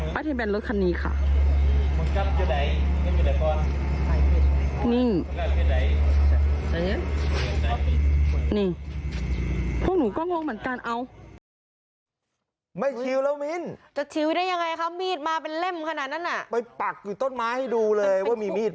ไม่ชิลแล้ว